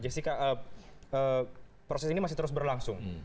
jessica proses ini masih terus berlangsung